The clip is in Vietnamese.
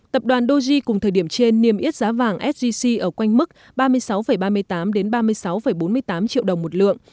tập đoàn doji cùng thời điểm trên niêm yết giá vàng sgc ở quanh mức ba mươi sáu ba mươi tám ba mươi sáu bốn mươi tám triệu đồng một lượng